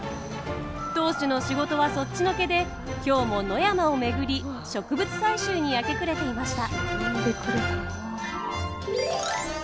当主の仕事はそっちのけで今日も野山を巡り植物採集に明け暮れていました。